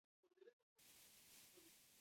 Bilduma berriak nobedade asko dakartza.